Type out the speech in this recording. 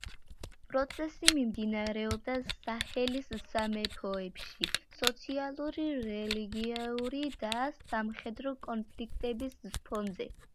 პროცესი მიმდინარეობდა საჰელის სამეფოებში სოციალური, რელიგიური და სამხედრო კონფლიქტების ფონზე.